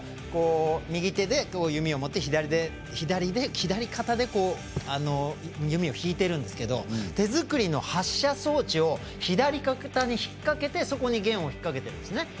右手で弓を持って、左肩で弓を引いているんですが手作りの発射装置を左肩に引っ掛けてそこに弦を引っ掛けているんです。